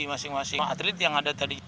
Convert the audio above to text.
masing masing atlet yang ada tadi